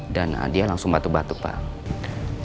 dan dia langsung batu batu pak